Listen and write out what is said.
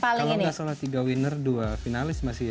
kalau nggak salah tiga winner dua finalis masih ya